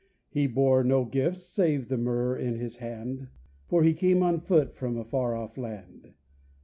He bore no gifts save the myrrh in his hand, For he came on foot from a far off land.